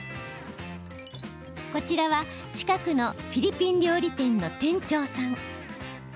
こちらは近くのフィリピン料理店の店長さん。